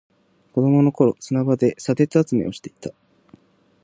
子供の頃、砂場で砂鉄集めをしていた。